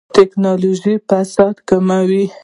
ټکنالوژي فساد کموي